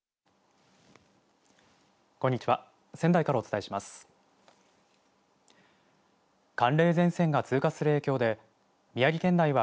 こんにちは。